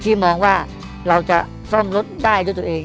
มองว่าเราจะซ่อมรถได้ด้วยตัวเอง